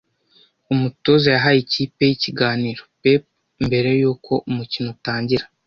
Umutoza yahaye ikipe ye ikiganiro pep mbere yuko umukino utangira.